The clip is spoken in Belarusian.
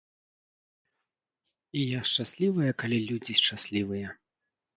І я шчаслівая, калі людзі шчаслівыя.